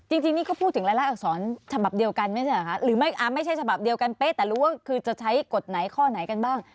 จริงก็พูดถึงรายละอักษรฉบับเดียวกันน่ะรู้ว่าคือจะใช้กฏไหนข้อไหนกันบ้าง